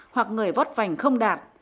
hoặc người vót vành không đạt